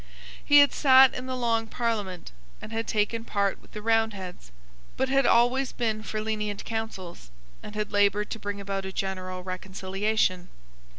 He had sate in the Long Parliament, and had taken part with the Roundheads, but had always been for lenient counsels, and had laboured to bring about a general reconciliation.